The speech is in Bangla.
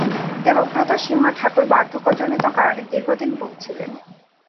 দেবব্রত সিংহ ঠাকুর বার্ধক্যজনিত কারণে দীর্ঘদিন ভুগছিলেন।